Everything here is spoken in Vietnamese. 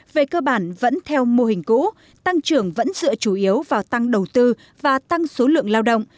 về cơ bản vẫn theo mô hình cũ tăng trưởng vẫn dựa chủ yếu vào tăng đầu tư và tăng số lượng lao động